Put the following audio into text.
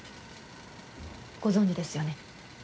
ご存じですよね？